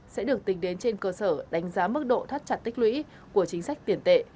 sẽ được tính đến trên cơ sở đánh giá mức độ thắt chặt tích lũy của chính sách tiền tệ